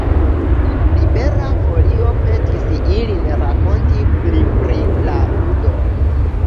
Libera Folio petis ilin rakonti pli pri la ludo.